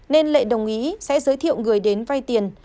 nên lệ đồng ý sẽ giới thiệu người đến vay tiền